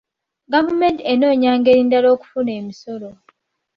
Gavumenti enoonya ngeri ndala okufuna emisolo.